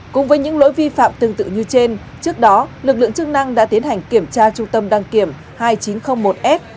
cùng với những lỗi vi phạm tương tự như trên trước đó lực lượng chức năng đã tiến hành kiểm tra trung tâm đăng kiểm hai nghìn chín trăm linh một s